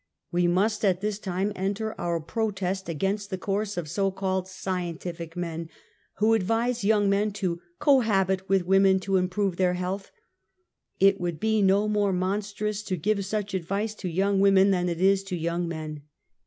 We must at this time enter our protest against the course of so called " scientific men," who advise young men to "cohabit with women to improve their health." It would be no more monstrous to give such advice to young women than it is to young men.